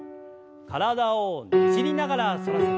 体をねじりながら反らせて。